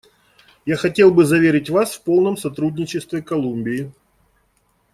Я хотел бы заверить Вас в полном сотрудничестве Колумбии.